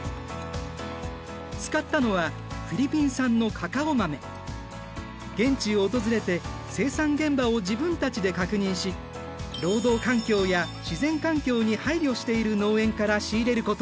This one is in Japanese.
使ったのは現地を訪れて生産現場を自分たちで確認し労働環境や自然環境に配慮している農園から仕入れることを決めた。